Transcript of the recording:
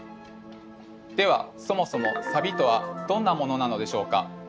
ではそもそもサビとはどんなものなのでしょうか？